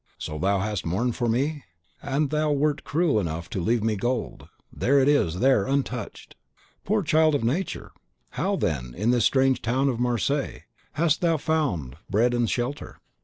"So thou hast mourned for me?" "Mourned! and thou wert cruel enough to leave me gold; there it is, there, untouched!" "Poor child of Nature! how, then, in this strange town of Marseilles, hast thou found bread and shelter?"